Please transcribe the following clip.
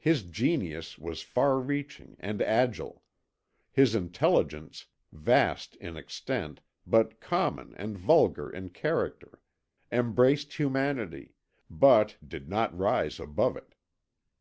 His genius was far reaching and agile; his intelligence, vast in extent but common and vulgar in character, embraced humanity, but did not rise above it.